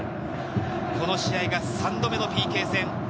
この試合が３度目のＰＫ戦。